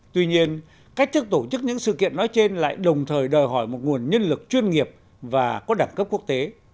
tuy nhiên cách thức tổ chức những sự kiện nói trên lại đồng thời đòi hỏi một nguồn nhân lực chuyên nghiệp và có đẳng cấp quốc tế